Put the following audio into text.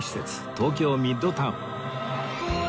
東京ミッドタウン